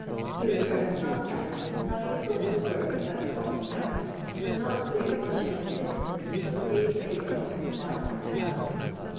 He returns sometimes, having sold his work at cost price, or not cleared Is. 6d. for the day's labour of himself and family.